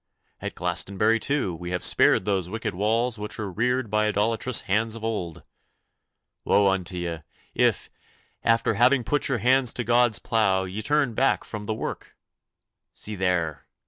At Glastonbury, too, we have spared those wicked walls which were reared by idolatrous hands of old. Woe unto ye, if, after having put your hands to God's plough, ye turn back from the work! See there!